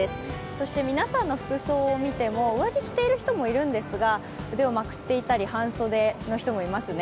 そして皆さんの服装を見ても上着を着てる人もいるんですが腕をまくっていたり半袖の人も既にいますね。